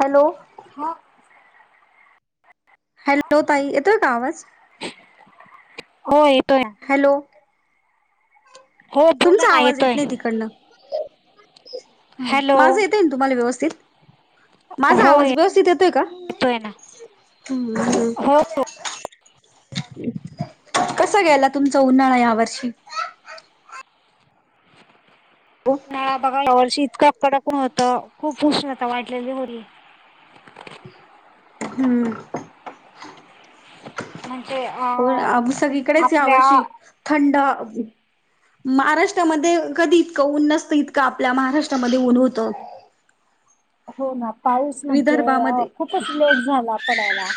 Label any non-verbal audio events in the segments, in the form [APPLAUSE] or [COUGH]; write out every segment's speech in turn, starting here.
Hello. मग hello ताई येतोय का आवाज हो येतोय. हॅलो. हो बोला तुमचा ना आवाज येत येतोय. नाही तिकडनं ह हॅलो माझं येत आहे ना तुम्हाला व्यवस्थित माझा हो आवाज व्यवस्थित येतोय का? येतोय ना हो हो कस ग्यायला तुमचा उन्हाळा या वर्षी हो. नळा बघा या वर्षी इतकं अकडकण होतं खूप उुशण होतं वाईटलेली मुरली. हम्म. म्हणजे अ आपल्या थंडा महाराष्ट्रामध्ये कधी इतकं ऊन नसतं इतकं आपल्या महाराष्ट्रामध्ये ऊन होतं. हो ना पाऊस म्हणजे अ विदर्भामध्ये खूपच लेट झाला पडायला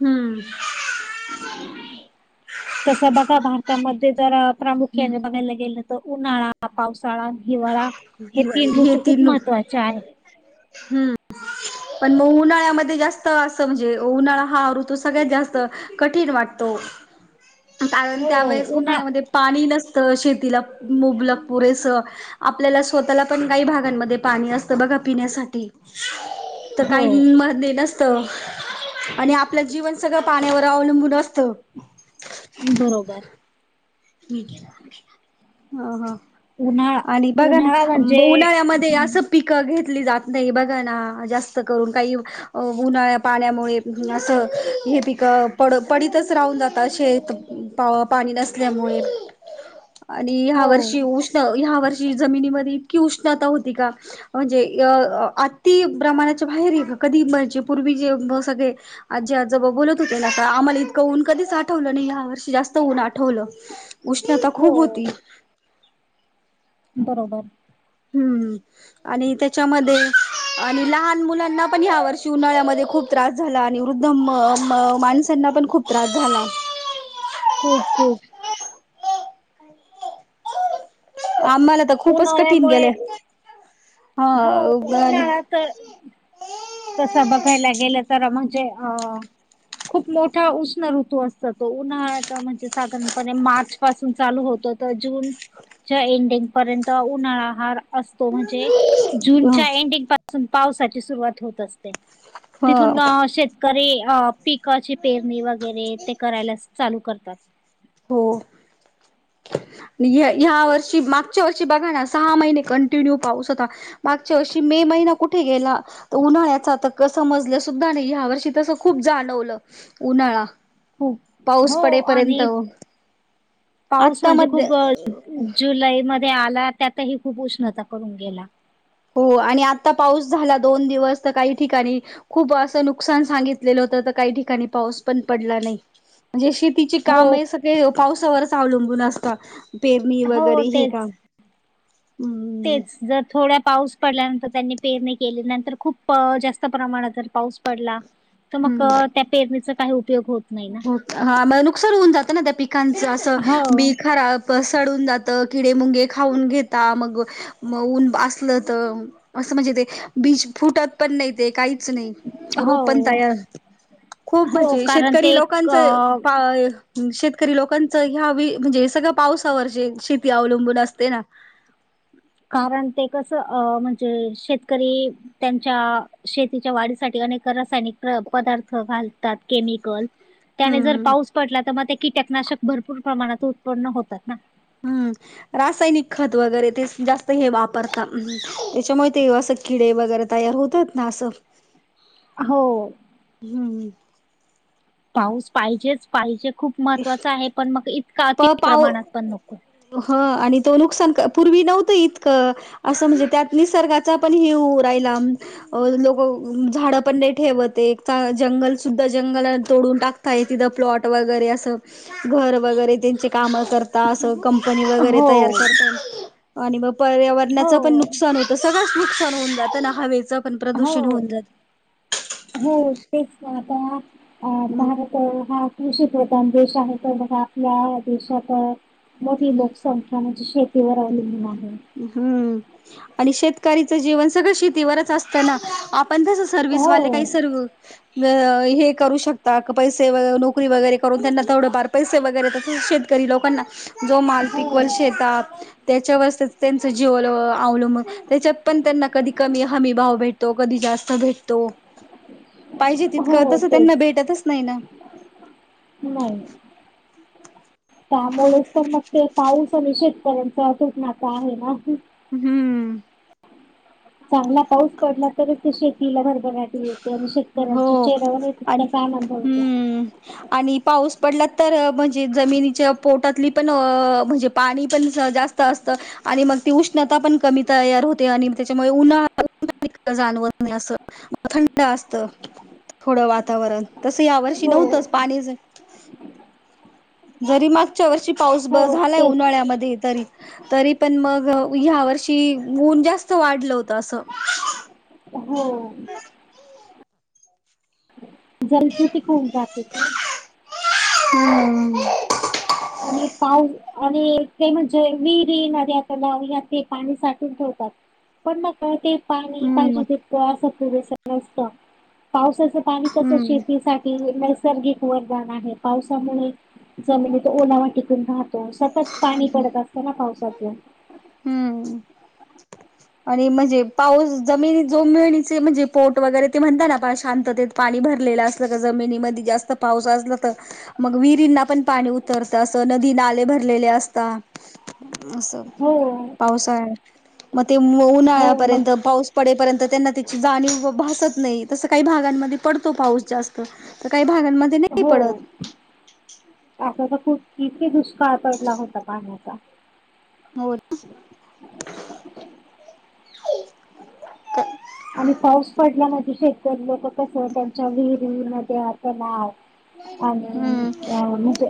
हम्म. तसं बघा भारतामध्ये जर प्रामुख्याने बघायला गेलं तर उन्हाळा हा पावसाळा हिवाळा हे तीन हे ऋतू खूप तीन महत्त्वाचे आहे. हम्म. पण मग उन्हाळ्यामध्ये जास्त असं म्हणजे उन्हाळा हा ऋतू सगळ्यात जास्त कठीण वाटतो. हम्. कारण त्यावेेळेस उन्हाळ्यामध्ये पाणी नसतं शेतीला मुबलक पुरेसं आपल्याला स्वतःला पण काही भागांमध्ये पाणी असतं बघा पिण्यासाठी तर हो काही म दे आणि आपलं जीवन सगळं पाण्यावर अवलंबून असतं. बरोबर. ह ह. उन्हाळा आणि बघा उन्हाळा ना म्हणजे उन्हाळ्यामध्ये हम्म असं पिकं घेतली जात नाही बघा ना जास्त करून काही अ उन्हाळ्या पाण्यामुळे असं हे पिक पड पडतच राहून जातात शेत पाणी नसल्यामुळे आणि ह्या हो वर्षी उष ह्या वर्षी जमिनीमध्ये इतकी उष्णता होती का? म्हणजे आत् ति ब्राह्माणाच्या बाहेर कधी म्हणजे पूर्वी जे सगळे आजी आजोबा बोलत होते ना का आम्हाला इतं ऊन कधीच आठवलं नाही या वर्षी जास्त ऊन आठव ठवलं उष्णता हो खूप होती. बरोबर. हम्म हम. आणि त्याच्यामध्ये आणि लहान मुलांना पण या्या वर्षी उन्हाळ्यामध्ये खूप. त्रास झाला आणि वृद्ध माणसांना पण खूप त्रास झाला. खू खूक आम्हाला तर खूपच कठीण उन्हाळ्यामुळे गेलंय. हो उन तर. तस बघायला गेलं तर म्हणजे अ खूप मोठा उष्ण ऋतू असत तो उन्हाळ्यात म्हणजे साधारण मार्च पासून चालू होत तर जून एंडिंग पर्यंत उन्हाळा ह असतो म्हणजे जूनच्या एंडिंग पासून पावसाची सुरुवात होत असते. ह तिथून शेतकरी अ पिकाची पेरणी वगैरे ते करायला असते. चालू करतात. हो. ह्या वर्षी मागच्या वर्षी बघा ना सहा महिने कंटिन्यू पाऊस होता. मागच्या वर्षी मे महिना कुठे गेला? तर उन्हाळ्याचा त समजल्या सुद्धा नाही ह्या वर्षी तसं खूप जाणवलं उन्हाळा. खूप पाऊस हो पडेपर्यंत. आणि पाऊस आता म्हणजे मध्ये खूप जुलैमध्ये आला त्यातही खूप उष्णता करून गेला. हो आणि आता पाऊस झाला दोन दिवस तर काही ठिकाणी खूप असं नुकसान सांगितलेलं होतं तर काही ठिकाणी पाऊस पण पडला नाही. म्हणजे शेतीचे काम हो. हे सगळे पावसावरच अवलंबून असतात. पेरणी हो वगैरे हे तेच. का. तेच जर थोड्या पाऊस डल्यानंतर त्यांनी पेरणी केली नंतर खूप जास्त प्रमाणात पाऊस पड तर मग त्या पेरणीचा काही उपयोग हो हो ह म नुकसान होऊन जातं ना त्या पिकांचं असं हो. बी खरा सळून जातं किडे मुंगे खाऊन घेता मग. मऊन असलं तर असं म्हणजे ते बीज फुटत पण नाही ते काहीच नाही रोप पण हो. तयार खूप हो म्हजे श कारण तरी ते एक लोकांचं अ शेतकरी लोकांच ह्या म्हणजे सगळं पावसावर जे शेती अवलंबून असते ना. कारण ते कसं अ म्हणजे शेतकरी त्यांच्या शेतीच्या वाढीसाठी अनेक रासायनिक पदार्थ घालतात, केमिकल त्याने जर हम्म पाऊस पडला तर मग ते, कीटकनाशक भरपूर प्रमाणात उत्पन्न होतात ना. हम्म. रासायनिक खत वगैरे ते जास्त हे वापरतात त्याच्यामुळे ते असं किडे वगैरे तयार होतात ना असं. हो. हम्म. पाऊस पाहिजेच, पाहिजे खूप महत्त्वाच आहे पण मग इतकात अति पाऊ प्रमाणात पण नको. ह आणि तो नुकसान, पूर्वी नव्हतं इतकं असं म्हणजे त्यात निसर्गाचा पण हे राहिला. अ लोक झाडं पण नाही ठेवते, एक जंगल सुद्धा जंगला तोडून टाक काही तिथं प्लॉट वगैरे असं घर वगैरे त्यांचे काम करता असं, हो. कंपनी वगैरे तयार करत. आणि मग हो पर्यावरणाचं पण नुकसान होतं, सगळंच नुकसान होऊन जातं ना हवेचं. पण प्रदूषण हो. होऊन जात. हो तेच ना आता हम् अ तर हा कृषीप्रधान देश आहे, तर बघा आपल्या देशात मोठी लोकसंख्या म्हणजे शेतीवर अवलंबून आहे. हम्म आणि शेतकरीचं जीवन सगळं शेतीवरच असतना आपण तस सर्विसवाले हो. काही सर्व य ये करू शकता का पैसे व नोकरी वगैरे करून त्यांना थोडेफार पैसे वगैरे तस शेतकरी लोकांना जो माल हो, पिकवल शेतात. त्याच्यावरच तर त्यांचं जीवन अवलंब त्याच्यात पण त्यांना कधी कमी हमी भाव भेटतो, कधी जास्त भेटतो. ह [UNINTELLIGIBLE] पाहिजे तितकं, तसं त्यांना भेटतच नाही ना. नई. त्यामुळेच तर मग ते पाऊस आणि शेतकऱ्यांचा अतुट नात आहे ना. हम्म. चांगला पाऊस पडला. तरच ते शेतीला भरभराटी येते आणि शेतकऱ्यांच्या हो चेहऱ्यावर आणि तितकाच आनंद होतो. हम्म आणि पाऊस पडला तर, म्हणजे जमिनीच्या पोटातली पण अ म्हणजे पाणी पण जास्त असत. आणि मग ती उष्णता पण कमी तयार होते आणि त्याच्यामुळे उन्हाळा पण क [UNINTELLIGIBLE] जाणवत नई असं. थंड असत, थोडं वातावरण तसं यावर्षी हो, नव्हतंच पाणी जरी मागच्या वर्षी पाऊस ब हो झालाय तेच. उन्हाळ्यामध्ये तरी. तरी पण मग ह्या वर्षी ऊन जास्त वाढलं होतं असं. हो. जलसुटी [UNINTELLIGIBLE] खाऊन होऊन जाते का? हम्म. [INAUDIBLE] आणि पाऊ आणि ते म्हणजे विहिरी नदया तलाव यात हे पाणी साठवून ठेवतात. पण मग न ते पाणी पाहिजे हम्म ते असं पुरेस नसत. पावसाचं पाणी कसं हम्म शेतीसाठी नेस नैसर्गिक वरदान आहे, पावसामुळे जमिनीत ओलावा टिकून राहत. सतत पाणी पडत असत ना पावसाच. हम्म आणि म्हणजे पाऊस जमिनी जोमिळणीचे म्हणजे पोट वगैरे ते म्हणताना पहा शांततेत पाणी भरलेलं असलं का जमिनीमध्ये जास्त पाऊस असला तर मग विहिरींना पण पाणी उतरतं, अस नदी नाले भरलेले असतात अस हो पावसाळ्यात. मग ते हो उन्हाळ्यापर्यंत मग पाऊस पडेपर्यंत त्यांना त्याची जाणीव भासत नाही तसं काही भागांमध्ये पडतो पाऊस जास्त. तर काही भागामध्ये. हो आ तर खूप किती दुष्काळ पडला होता पाण्याचा हो आणि पाऊस पडल्या म्ह शेतकरी लोक कस त्यांच्या विहीर विहीर मध्ये आता नाव अम ते हम्म म्हणजे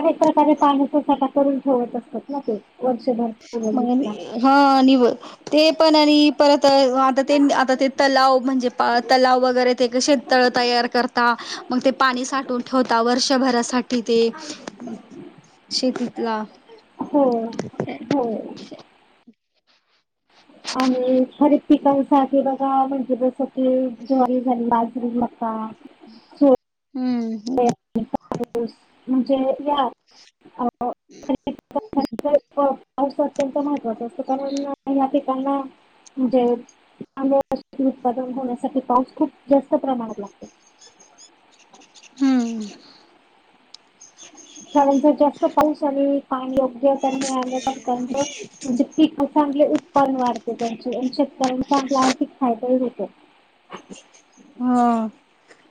अनेक प्रकारे पाणीचा साठा करून ठेवत असतात ना ते वर्षभर मग हा निव ते पण आणि परत आता ते आता ते तलाव म्हणजे तलाव वगैरे ते कसे तळ तयार करता मग ते पाणी साठून ठेवता वर्षभरासाठी ते ह शेतीतला हो ह हो ह आणि खरी पिकांसाठी बघा म्हणजे जस क जॉ बाजरी मका हम्म स म्हणजे या [INAUDIBLE] पावस अत्यंत महत्त्वाच असतं कारण ह्या ठिकाना म्हणजे उत्पादन होण्यासाठी पाऊस खूप जास्त प्रमाणात लागतो हम्म र जास्त पाऊस आणि पाणी योग्य मिळालं प म्हणजे प चांगले उत्पान्न वाढते त्यांचे आणि शेतकऱ्यांना चांगला आर्थिक खायदाही होत हा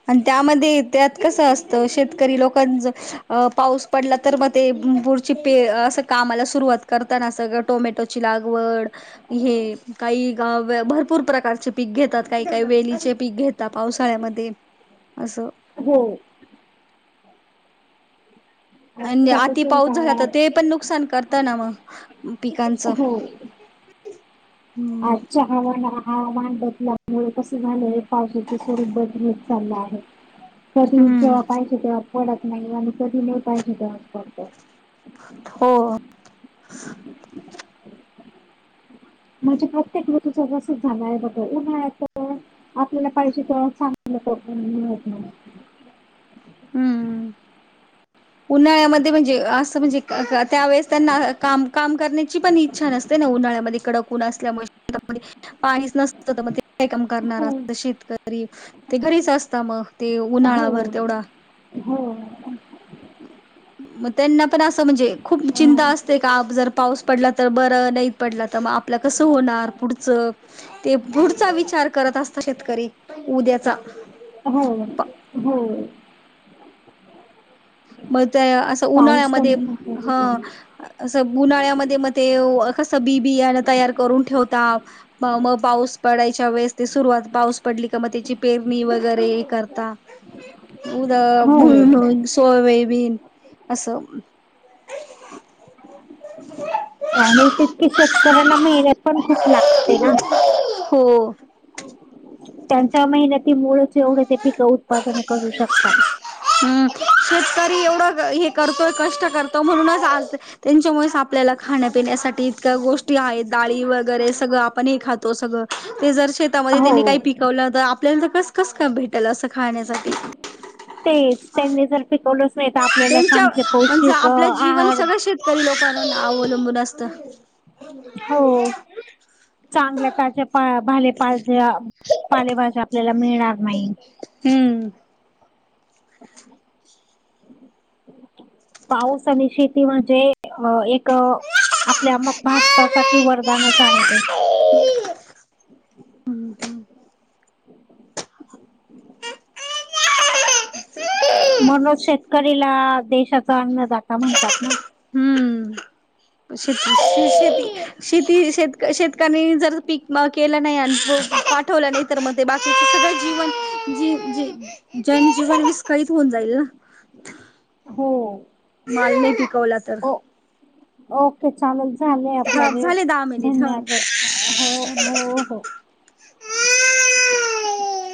आणि त्यामध्ये त्यात कसं असतं शेतकरी लोकांच अ पाऊस पडला तर मग ते पुरची पे असं कामाला सुरुवात करताना सगळं टोमॅटोची लागवड हे काही भरपूर प्रकारचे पीक घेतात काही काही वेली पीक घेता पावसाळ्यामध्ये असं हो आणिजे आती आजच्यापासून पाऊस झाला तर ते काळात पण नुकसान करत ना मग. पिकांचं हम्म अ हवाना ह हवान बदलामुळे कस झालंय पावसाच स्वरूप बदलत चाललं आहे कधी हम्म जेव्हा पाहिजे तेव्हा पडत नाही आणि कधी नाही पाहिजे तेव्हाच पडत हो म्हणजे प्रत्येक ऋतूच वसित झालं आहे बघं उन्हाळ्याच आपल्याला पाहिजे ते चांगलं हम्म उन्हाळ्यामध्ये म्हणजे असं म्हणजे त्यावेेळेस त्यांना काम काम करण्याची पण इच्छा नसते उन्हाळ्यामध्ये कडक उन असल्यामुळे पाणी नसतं काय काम करणार अस हो शेतकरी ते घरीच असत मग ते उन्हाळा भर हो तेवढा हो मग त्यांना पण असं म्हणजे खूप अ, चिंता असते ते का जर पाऊस पडला तर बरं नाही पडला तर मग आपलं कसं होणार पुढचं ते गुढचा विचार करत असतात शेतकरी उद्याचा हो हो मग त्या असं पाऊस पण उन्हाळ्यामध्ये ह महत्वाचाच आहे. असं उन्हाळ्यामध्ये म ते कसं बी बी तयार करून ठेवता. मग मग पाऊस पडायच्या वेळेस ते सुरुवात पाऊस पडली का मग त्याची पेरणी वगैरे करता. [UNINTELLIGIBLE] उद हो भूमुग हणून सोयबीन असं. आणि तितके शेतकऱ्यांना मेहनत पण खूप लागते ना. हो त्यांच्या महिन्याती मुळ जेवढे ते पिकं उत्पादन करू शकतात. हम्म शेतकरी एवढं हे करतोय कष्ट करतो म्हणूनच आज त्यांच्यामुळेच आपल्याला खाण्यापिण्यासाठी इतक्या गोष्टी आहेत डाळी वगैरे सगळं आपण हे खातो सगळं ते जर शेतामध्ये त्यांनी काही हो पिकवलं तर आपल्याला ज कसे कस का भेटेल असं खाण्याचा. तेच त्यांनी जर पिकवलंच नाही तर आपल्याला त्यांच्या चांगले पौष्टिक आहार काही लोकांना नाव अवलंबून असते. हो चांगल्या ताज्या पा भाले पाज्या पालेभज्या. हम्म. पाऊस आणि शेती म्हजे अ एक. आपल्या मक भारतासाठी वरदानच आहे ते. हम्म म्हणूनज शेतकरीला देशाच अन्न जाता म्हणतात ना. हम्म श शेती शेती. शेतकऱ्यांनी जर पीक केलं नाही आणि पाठवलं नाही तर मग ते बाकी सगळं जीवन जी जी जची ज विस्कळीत होऊन जाईल ना. हो. माल नाही पिकवला तर. ओ ओके चालेल झाले आपला हा वेळ झाले दहा मिनिट हा धन्यवाद कर हो हो हो.